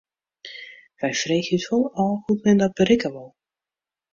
We freegje ús wol ôf hoe't men dat berikke wol.